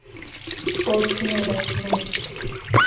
ئۆ چنوورە چنووری